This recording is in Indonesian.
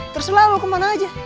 terserah lo kemana aja